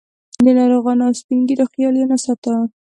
د ناروغانو او سپین ږیرو خیال یې نه ساته.